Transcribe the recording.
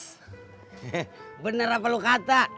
eh bener apa lo kata